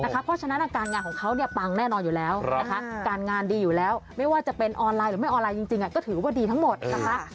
เพราะฉะนั้นการงานของเขาปังแน่นอนอยู่แล้วนะคะการงานดีอยู่แล้วไม่ว่าจะเป็นออนไลน์หรือไม่ออนไลน์จริงก็ถือว่าดีทั้งหมดนะคะ